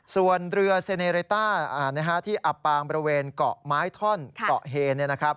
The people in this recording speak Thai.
ส่วนเรือเซเนรเตอร์ที่อับปางบริเวณเกาะไม้ท่อนเกาะเฮน